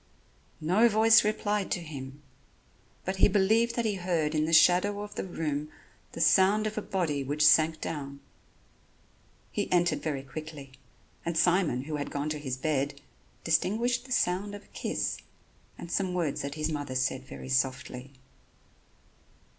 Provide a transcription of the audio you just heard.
No voice replied to him, but he believed that he heard in the shadow of the room the sound of a body which sank down. He entered very quickly; and Simon, who had gone to his bed, distinguished the sound of a kiss and some words that his mother said very softly.